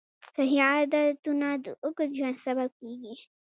صحي عادتونه د اوږد ژوند سبب کېږي.